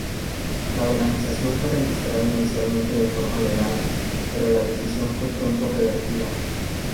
La organización fue registrado inicialmente de forma legal, pero la decisión fue pronto revertida.